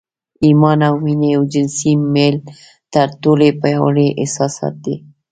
ایمان او مینه او جنسي میل تر ټولو پیاوړي احساسات دي